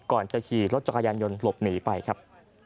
ก่อนจะขี่รถจักรยานยนต์หลบหนีไปครับ